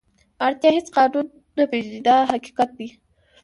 اړتیا هېڅ قانون نه پېژني دا حقیقت دی.